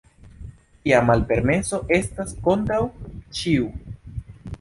Tia malpermeso estas kontraŭ ĉiu.